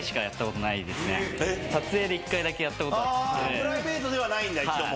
プライベートではないんだ一度も。